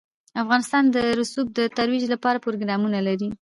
افغانستان د رسوب د ترویج لپاره پروګرامونه لري.